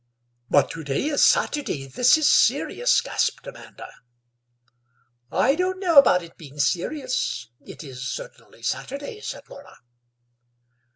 "But to day is Saturday; this is serious!" gasped Amanda. "I don't know about it being serious; it is certainly Saturday," said Laura.